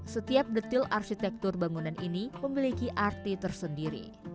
setiap detil arsitektur bangunan ini memiliki arti tersendiri